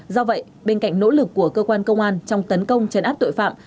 do vậy bên cạnh nỗ lực của cơ quan công an trong tấn công chấn áp tội phạm